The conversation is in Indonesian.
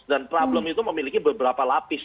dan problem itu memiliki beberapa lapis